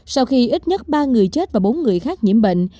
sau khi ít nhất ba người chết và bốn người khác nhiễm bệnh